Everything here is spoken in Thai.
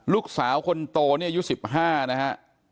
ลูกสาวคนโตเนี่ยอายุสิบห้านะครับ